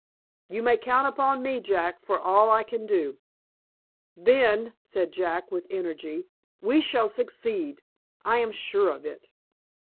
"You may count upon me, Jack, for all I can do." "Then," said Jack, with energy, "we shall succeed. I feel sure of it.